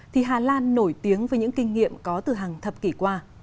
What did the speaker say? thì hà lan nổi tiếng với những kinh nghiệm có từ hàng thập kỷ qua